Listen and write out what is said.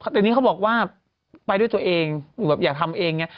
แต่นี่เขาบอกว่าไปด้วยตัวเองอยู่แบบอยากทำเองไง